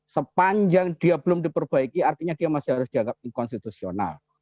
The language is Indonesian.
sepanjang dia belum diperbaiki artinya dia masih harus dianggap inkonstitusional